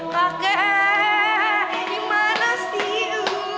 kakek gimana sih